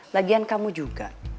lagian kamu juga